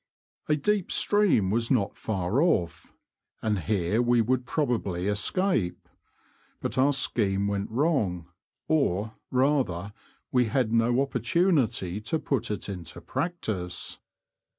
A deep stream was not far off, and here we would probably escape. But our scheme went wrong — or, rather, we had no opportunity to put it into practice.